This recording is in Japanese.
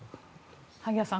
萩谷さん